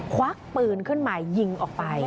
ควักปืนขึ้นมายิงออกไป